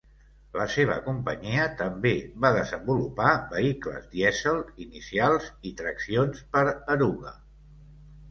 La seva companyia també va desenvolupar vehicles dièsel inicials i traccions per eruga.